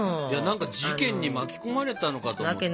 何か事件に巻き込まれたのかと思った。